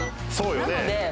そうよね